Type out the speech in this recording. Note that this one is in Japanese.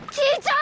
ん？